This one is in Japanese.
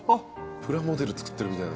プラモデル作ってるみたいな。